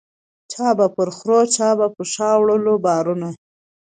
چا پر خرو چا به په شا وړله بارونه